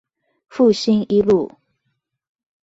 復興一路